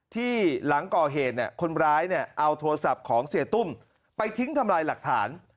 หลังก่อเหตุคนร้ายเอาโทรศัพท์ของเสียตุ้มไปทิ้งทำลายหลักฐาน